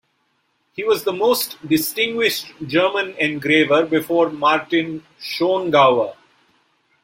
He was the most distinguished German engraver before Martin Schongauer.